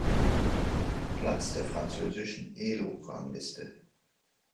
Platz der französischen Elo-Rangliste.